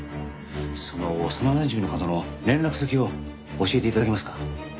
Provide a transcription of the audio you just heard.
その幼なじみの方の連絡先を教えて頂けますか？